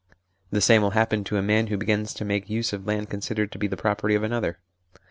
The same will happen to a man who begins to make use of land considered to be the property of another.